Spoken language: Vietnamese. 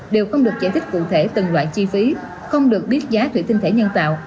đều không được giải thích cụ thể từng loại chi phí không được biết giá thủy tinh thể nhân tạo